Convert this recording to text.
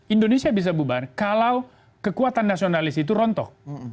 indonesia bisa bubar kalau kekuatan nasionalis itu rontok